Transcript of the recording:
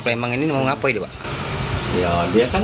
kalau arief datang dari tangerang apa dia akan lakukan